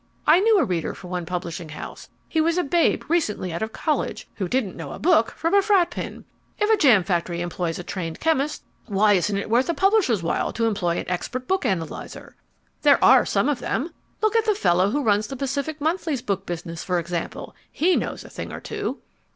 I knew a reader for one publishing house: he was a babe recently out of college who didn't know a book from a frat pin. If a jam factory employs a trained chemist, why isn't it worth a publisher's while to employ an expert book analyzer? There are some of them. Look at the fellow who runs the Pacific Monthly's book business for example! He knows a thing or two.